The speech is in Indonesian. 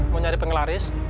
mau nyari penglaris